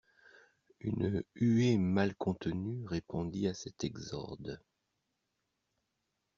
Une huée mal contenue répondit à cet exorde.